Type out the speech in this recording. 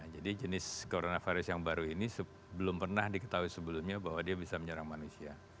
jadi jenis coronavirus yang baru ini belum pernah diketahui sebelumnya bahwa dia bisa menyerang manusia